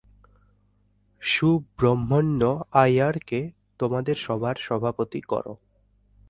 সুব্রহ্মণ্য আয়ারকে তোমাদের সভার সভাপতি করো।